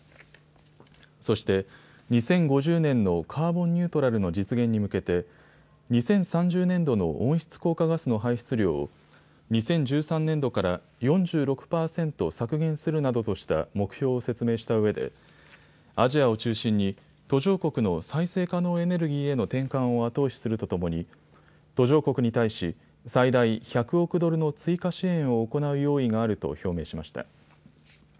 そして２０５０年のカーボンニュートラルの実現に向けて２０３０年度の温室効果ガスの排出量を２０１３年度から４６％削減するなどとした目標を説明したうえでアジアを中心に途上国の再生可能エネルギーへの転換を後押しするとともに途上国に対し、最大１００億ドルの追加支援を行う用意があると表明しました。